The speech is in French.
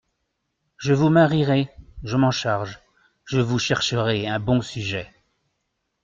Je vous marierai… je m’en charge… je vous chercherai un bon sujet…